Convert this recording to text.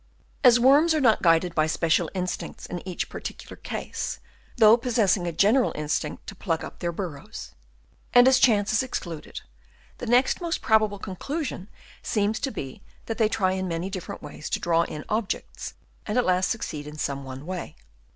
As worms are not guided by special in stincts in each particular case, though pos sessing a general instinct to plug up their burrows, and as chance is excluded, the next most probable conclusion seems to be that they try in many different ways to draw in objects, and at last succeed in some one way.